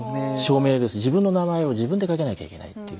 自分の名前を自分で書けなきゃいけないっていう。